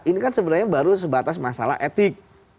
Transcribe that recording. ini kan sebenarnya baru sebatas masalah etik